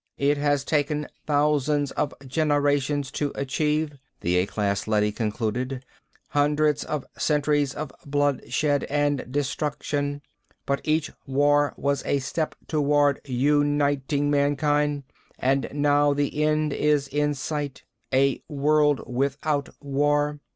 "It has taken thousands of generations to achieve," the A class leady concluded. "Hundreds of centuries of bloodshed and destruction. But each war was a step toward uniting mankind. And now the end is in sight: a world without war.